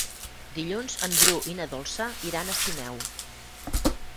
Dilluns en Bru i na Dolça iran a Sineu.